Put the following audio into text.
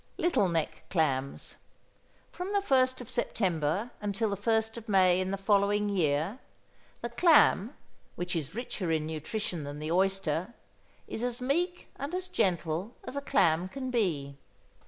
=Little Neck Clams.= From the first of September until the first of May in the following year, the clam which is richer in nutrition than the oyster is as meek and as gentle as a clam can be.